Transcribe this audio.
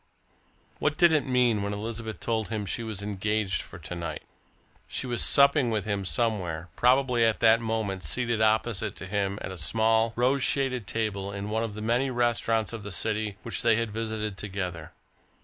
What did it mean when Elizabeth told him she was engaged for to night? She was supping with him somewhere probably at that moment seated opposite to him at a small, rose shaded table in one of the many restaurants of the city which they had visited together.